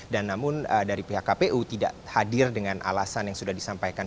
dan namun dari pihak kpu tidak hadir dengan alasan yang sudah disampaikan